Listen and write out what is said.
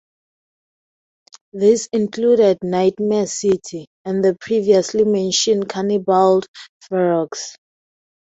These included "Nightmare City" and the previously mentioned "Cannibal Ferox".